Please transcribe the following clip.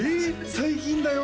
最近だよ？